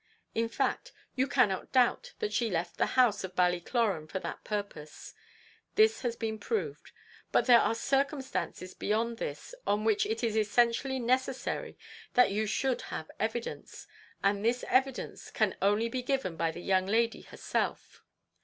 In fact, you cannot doubt that she left the house of Ballycloran for that purpose; this has been proved but there are circumstances beyond this on which it is essentially necessary that you should have evidence, and this evidence can only be given by the young lady herself.